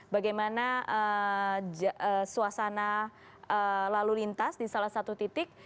bagaimana suasana lalu lintas di salah satu titik